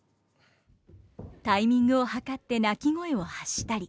タイミングを計って鳴き声を発したり。